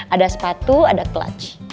ada sepatu ada clutch